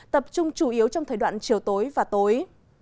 tập trung chủ yếu trong thời đoạn chiều tối và tối